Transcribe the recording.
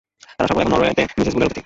তাঁরা সকলে এখন নরওয়েতে মিসেস বুলের অতিথি।